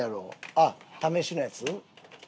あっ試しのやつ？